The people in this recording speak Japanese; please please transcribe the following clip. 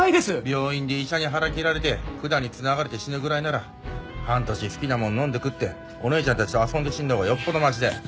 病院で医者に腹切られて管に繋がれて死ぬぐらいなら半年好きなもん飲んで食っておねえちゃんたちと遊んで死んだほうがよっぽどマシだよ。